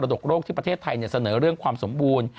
ดกโรคที่ประเทศไทยเสนอเรื่องความสมบูรณ์